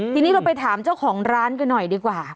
ทีนี้เราไปถามเจ้าของร้านกันหน่อยดีกว่า